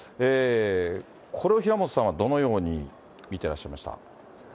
これを平本さんはどのように見てらっしゃいました？